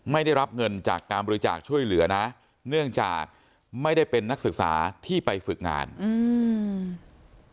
ไม่ได้รับเงินจากการบริจาคช่วยเหลือนะเนื่องจากไม่ได้เป็นนักศึกษาที่ไปฝึกงานอืม